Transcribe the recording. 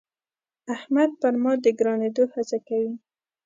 احمد پر ما د ګرانېدو هڅه کوي.